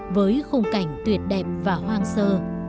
với khung cảnh tuyệt đẹp và hoang sơ